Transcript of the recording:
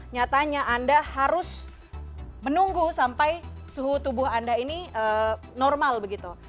nyatanya anda harus menunggu sampai suhu tubuh anda ini normal begitu